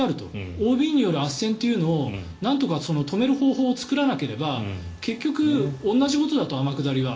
ＯＢによるあっせんというのをなんとか止める方法を作らなければ結局、同じことだと天下りは。